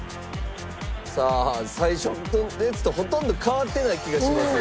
さあ最初のやつとほとんど変わってない気がしますが。